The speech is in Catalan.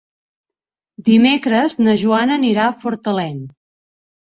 Dimecres na Joana anirà a Fortaleny.